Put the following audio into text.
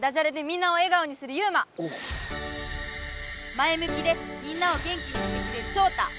「『ま』えむきでみんなを元気にしてくれるショウ『タ』」！